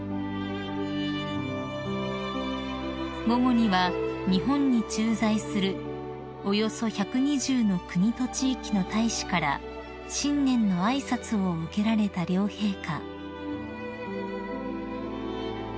［午後には日本に駐在するおよそ１２０の国と地域の大使から新年の挨拶を受けられた両陛下］